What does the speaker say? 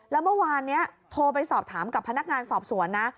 แล้วเมื่อวานนี้โทรไปสอบถามกับพนักงานสอบสวนนะ